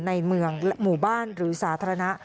ในเมืองหมู่บ้านหรือสาธารณะ